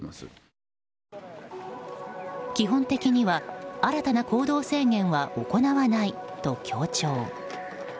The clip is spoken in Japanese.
基本的には新たな行動制限は行わないと強調。